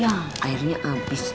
ya airnya abis